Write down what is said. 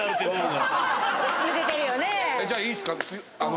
じゃあいいっすか？